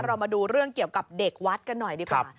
เรามาดูเรื่องเกี่ยวกับเด็กวัดกันหน่อยดีกว่า